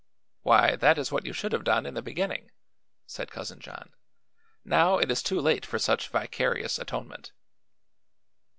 "Why, that is what you should have done in the beginning," said Cousin John. "Now it is too late for such vicarious atonement."